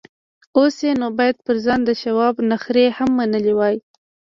اوس یې نو باید پر ځان د شواب نخرې هم منلې وای